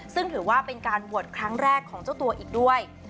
ซึ่งถือว่าเป็นการบวชครั้งแรกของเจ้าตัวอีกด้วย